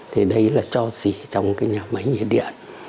thì đây là cho xỉ trong nhà máy nhiệt điện